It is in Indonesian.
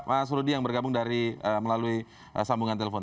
terima kasih pak fruidi yang bergabung dari melalui sambungan telepon